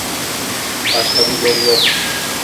Başka bir yolu yok.